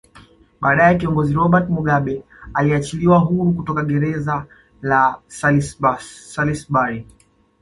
Baadae Kiongozi Robert Mugabe aliachiliwa huru kutoka greza la Salisbury